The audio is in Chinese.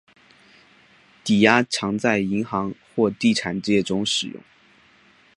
抵押常在银行或地产界中使用。